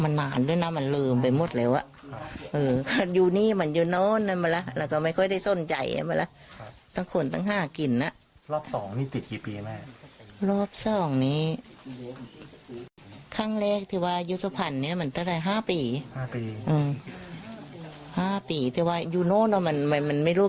แต่ว่าอยู่โน่นเนี่ยมันไม่รู้